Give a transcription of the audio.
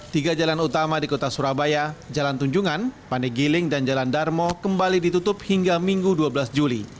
tiga jalan utama di kota surabaya jalan tunjungan pandegiling dan jalan darmo kembali ditutup hingga minggu dua belas juli